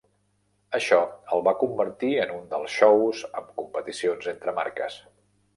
Això el va convertir en un dels shows amb competicions entre marques.